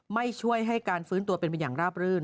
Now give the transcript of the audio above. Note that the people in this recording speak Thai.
ไม่ช่วยให้การฟื้นตัวเป็นไปอย่างราบรื่น